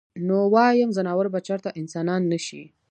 نو وايم ځناور به چرته انسانان نشي -